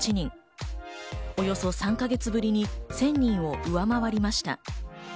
およそ３か月ぶりに１０００人を上回りました。